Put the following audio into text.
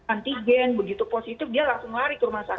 antigen begitu positif dia langsung lari ke rumah sakit